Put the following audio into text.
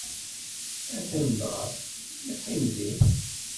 Atan dɣa, yeqqim din.